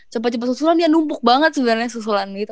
cepat cepat susulan dia numpuk banget sebenarnya susulan gitu